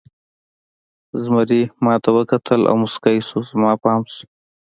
زمري ما ته وکتل او موسکی شو، زما پام شو.